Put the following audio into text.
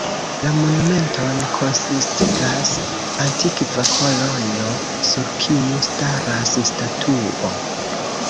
La monumenton konsistigas antikva kolono sur kiu staras statuo.